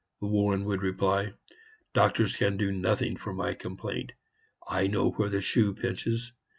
Warren would reply: "Doctors can do nothing for my complaint. I know where the shoe pinches.